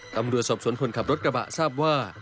ตำรวจสอบสวนคนขับรถกระบะทราบว่า